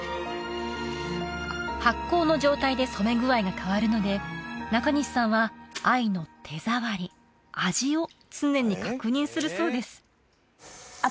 発酵の状態で染め具合が変わるので中西さんは藍の手触り味を常に確認するそうですあっ